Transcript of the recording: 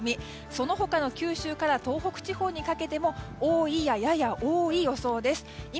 その他の九州から東北地方にかけても多い、やや多いの予想です。